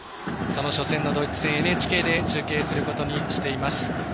その初戦のドイツ戦ＮＨＫで中継することにしています。